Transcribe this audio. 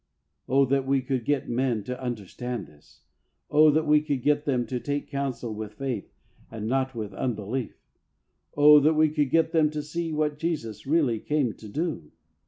Oh, that we could get men to understand this 1 Oh, that we could get them to take counsel with faith and not with unbelief! Oh, that we could get them to see what Jesus really came to do